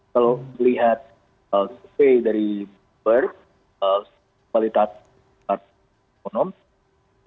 kalau melihat survei dari bert kualitasnya